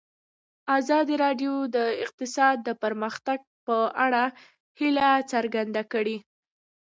ازادي راډیو د اقتصاد د پرمختګ په اړه هیله څرګنده کړې.